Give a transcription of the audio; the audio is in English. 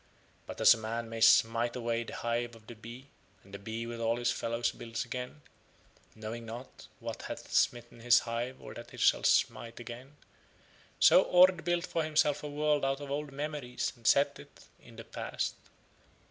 But as a man may smite away the hive of the bee, and the bee with all his fellows builds again, knowing not what hath smitten his hive or that it shall smite again, so Ord built for himself a world out of old memories and set it in the past.